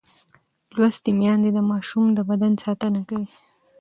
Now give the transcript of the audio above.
لوستې میندې د ماشوم د بدن ساتنه کوي.